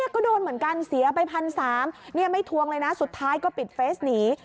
ก็โดนเหมือนกันเสียไป๑๓๐๐ไม่ทวงเลยนะสุดท้ายก็ปิดเฟสหนี